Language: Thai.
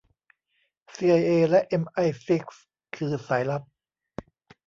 ซีไอเอและเอมไอซิกส์คือสายลับ